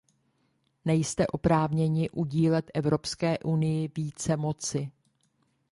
Nejste oprávněni udílet Evropské unii více moci.